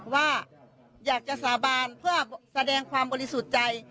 ว่าอยากจะสาบานเพื่อแสดงความบริสุทธิ์ใจ